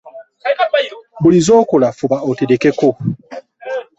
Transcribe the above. Buli z'okola fuba oterekeko.